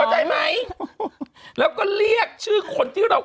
เข้าใจไหมเดี๋ยวก็เรียกชื่อคนที่เรา